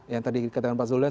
yang tadi katakan pak zulan